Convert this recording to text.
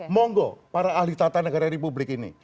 monggo para ahli tata negara di publik ini